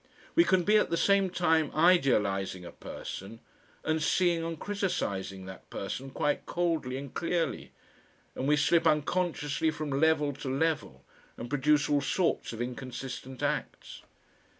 We can be at the same time idealising a person and seeing and criticising that person quite coldly and clearly, and we slip unconsciously from level to level and produce all sorts of inconsistent acts.